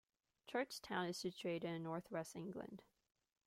Churchtown is situated in North West England.